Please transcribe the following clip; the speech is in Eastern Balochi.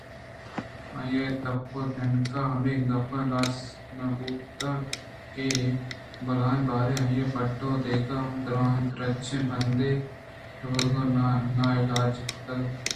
آئی ءِ دپ ءَ تنیگہ ہمے گپّ ہلاس نہ بُوتگ اَت کہ بلاہیں بارے آئی ءَ بَڈّ ءَ دئیگ ءُ درٛاجیں پندے ءَ رَوَگ ءَ ناعِلاج کنگ بُوت